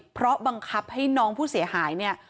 เพราะบังคับให้น้องผู้เสียหายเนี่ย